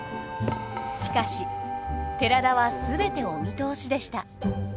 しかし寺田は全てお見通しでした。